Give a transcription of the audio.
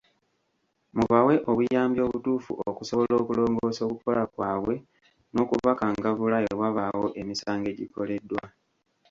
Mubawe obuyambi obutuufu okusobola okulongoosa okukola kwabwe n'okubakangavvula bwe wabaawo emisango egikoleddwa.